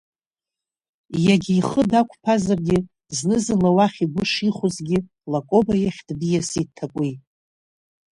Иагьа ихы дакәԥазаргьы, зны-зынла уахь игәы шихозгьы, Лакоба иахь дмиасит Ҭакәи.